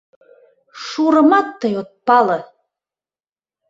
Шурымат тый от пале!